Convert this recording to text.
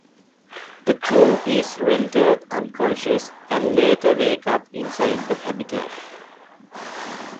The crew is rendered unconscious and later wake up inside the habitat.